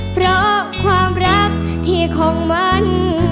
เพราะความรักที่คงมัน